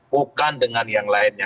bukan dengan yang lainnya